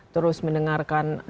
terus mendengarkan dosen